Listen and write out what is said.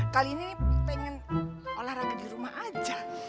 kali ini pengen olahraga di rumah aja